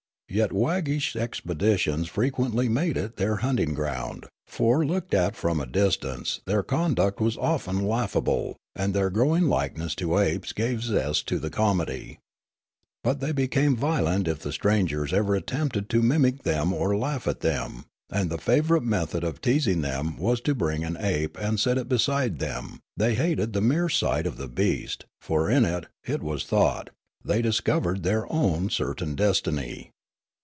Yet wag gish expeditions frequently made it their hunting ground ; for looked at from a distance their conduct was often laughable, and their growing likeness to apes gave zest to the comedy. But they became violent if the strangers ever attempted to mimic them or laugh at them ; and the favourite method of teasing them was to bring an ape and set it beside them ; they hated the mere sight of the beast, for in it, it was thought, they discovered their own certain destiny.